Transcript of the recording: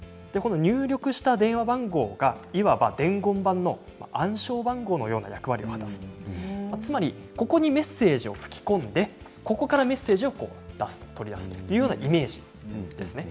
入力した電話番号がいわば伝言板の暗証番号のような役割を果たす、つまりここにメッセージを吹き込んでここからメッセージを出すというイメージです。